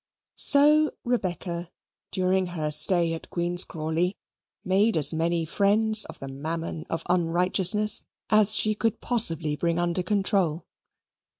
So Rebecca, during her stay at Queen's Crawley, made as many friends of the Mammon of Unrighteousness as she could possibly bring under control.